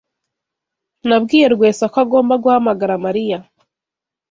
Nabwiye Rwesa ko agomba guhamagara Mariya.